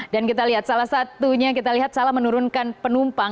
dan kita lihat salah satunya kita lihat salah menurunkan penumpang